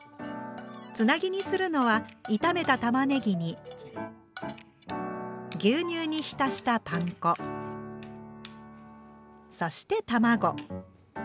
つなぎにするのは炒めたたまねぎに牛乳にひたしたパン粉そして卵。